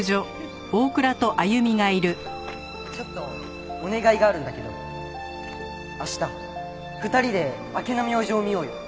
ちょっとお願いがあるんだけど明日２人で明けの明星を見ようよ。